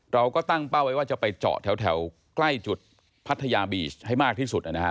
เราก็ตั้งเป้าไว้ว่าจะไปเจาะแถวใกล้จุดพัทยาบีชให้มากที่สุดนะครับ